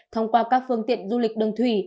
thông qua các phương tiện du lịch đường thủy